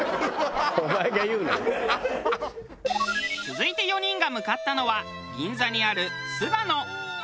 続いて４人が向かったのは銀座にあるすがの。